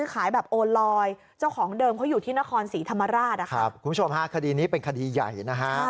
คุณผู้ชม๕คดีนี้เป็นคดีใหญ่นะคะ